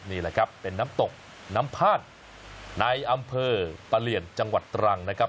นี่แหละครับเป็นน้ำตกน้ำพาดในอำเภอปะเหลี่ยนจังหวัดตรังนะครับ